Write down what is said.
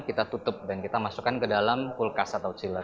kita tutup dan kita masukkan ke dalam kulkas atau chiller